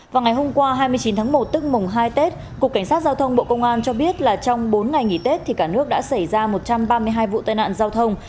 vào ngày hôm qua hai mươi chín tháng một tức mùng hai tết cục cảnh sát giao thông bộ công an cho biết là trong bốn ngày nghỉ tết thì cả nước đã xảy ra một trăm ba mươi hai vụ tai nạn giao thông